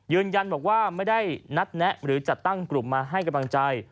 ยืนยันบอกว่าไม่ได้นัดแนะหรือจัดตั้งกลุ่มมาให้กำลังใจ